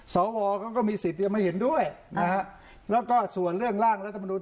สวเขาก็มีสิทธิ์จะไม่เห็นด้วยนะฮะแล้วก็ส่วนเรื่องร่างรัฐมนุน